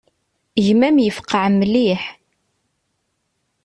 Gma-m yefqeε mliḥ.